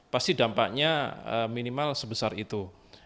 pasti dampaknya minimal sebesar itu